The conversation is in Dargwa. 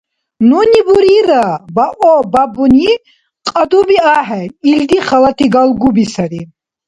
Нуни бурира, баобабуни кьадуби ахӀен, илди халати галгуби сари